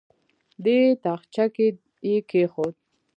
دې تاخچه کې یې کېښود.